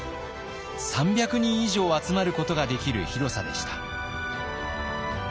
３００人以上集まることができる広さでした。